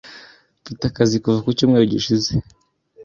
Mfite akazi kuva ku cyumweru gishize.